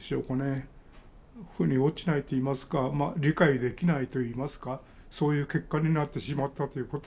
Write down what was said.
腑に落ちないといいますか理解できないといいますかそういう結果になってしまったということ